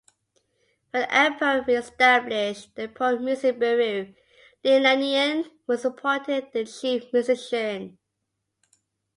When Emperor re-established the Imperial Music Bureau, Li Yannian was appointed the Chief Musician.